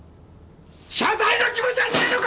謝罪の気持ちはないのか！